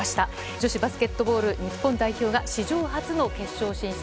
女子バスケットボール日本代表が史上初の決勝進出。